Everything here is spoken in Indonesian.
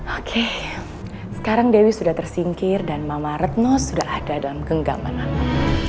oke sekarang dewi sudah tersingkir dan mama retno sudah ada dalam genggaman anak